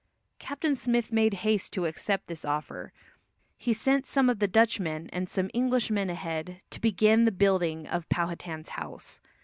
Captain Smith made haste to accept this offer. He sent some of the Dutchmen and some Englishmen ahead to begin the building of Powhatan's house.